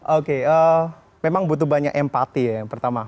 oke memang butuh banyak empati ya yang pertama